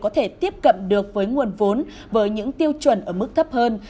có thể tiếp cận được với nguồn vốn với những tiêu chuẩn ở mức thấp hơn